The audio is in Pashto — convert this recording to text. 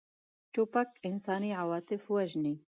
توپک انساني عواطف وژني.